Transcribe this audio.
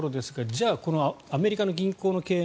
じゃあアメリカの銀行の経営